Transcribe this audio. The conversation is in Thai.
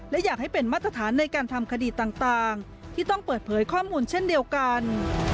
และอยากให้เป็นมาตรฐานในการทำคดีต่างที่ต้องเปิดเผยข้อมูลเช่นเดียวกัน